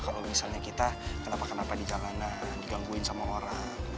kalau misalnya kita kenapa kenapa di jalanan digangguin sama orang